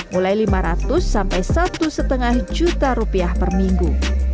mulai lima ratus sampai satu lima juta rupiah per minggu